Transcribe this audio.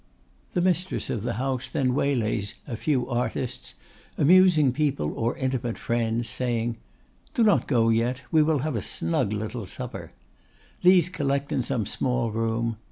The mistress of the house then waylays a few artists, amusing people or intimate friends, saying, "Do not go yet; we will have a snug little supper." These collect in some small room.